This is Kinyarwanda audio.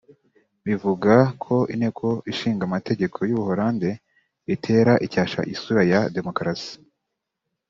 rivuga ko Inteko Ishinga Amategeko y’u Buholandi itera icyasha isura ya demokarasi